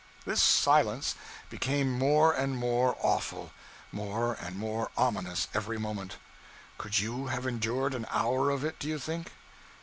This silence became more and more awful, more and more ominous, every moment. Could you have endured an hour of it, do you think?